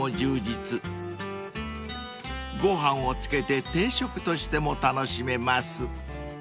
［ご飯を付けて定食としても楽しめます］